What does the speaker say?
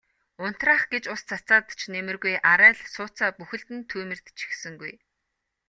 Унтраах гэж ус цацаад ч нэмэргүй арай л сууцаа бүхэлд нь түймэрдчихсэнгүй.